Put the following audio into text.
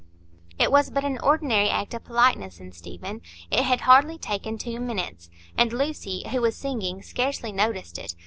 It was but an ordinary act of politeness in Stephen; it had hardly taken two minutes; and Lucy, who was singing, scarcely noticed it.